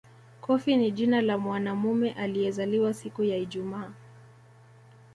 Kofi ni jina la mwanamume aliyezaliwa siku ya Ijumaa